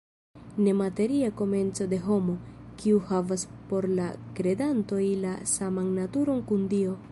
Nemateria komenco de homo, kiu havas por la kredantoj la saman naturon kun Dio.